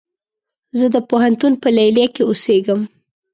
زه د پوهنتون په ليليه کې اوسيږم